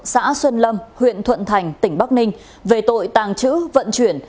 xã xuân lâm huyện thuận thành tỉnh bắc ninh về tội tàng trữ vận chuyển